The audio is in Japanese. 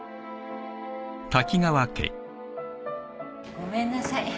ごめんなさい。